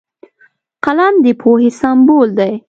قلم د پوهې سمبول دی